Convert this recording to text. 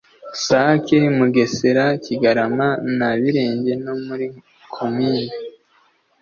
Sake mugesera kigarama na birenga no muri komine